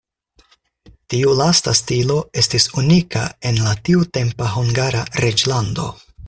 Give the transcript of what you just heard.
Tiu lasta stilo estis unika en la tiutempa Hungara reĝlando.